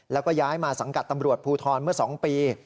แล้วก็ย้ายมาสังกัดตำรวจภูทรเมื่อ๒ปี